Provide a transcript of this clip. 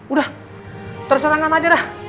udah terserah nama aja dah